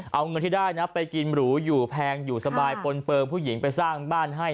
เอาเงินที่ได้นะไปกินหรูอยู่แพงอยู่สบายปนเปลืองผู้หญิงไปสร้างบ้านให้